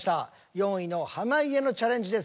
４位の濱家のチャレンジです